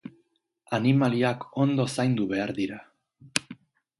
Animaliak ondo zaindu behar dira.